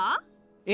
え？